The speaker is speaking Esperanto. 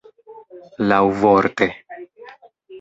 laŭvorte